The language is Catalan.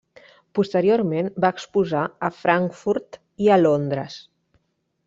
Posteriorment, va exposar a Frankfurt i a Londres.